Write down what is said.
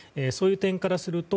そういう点からする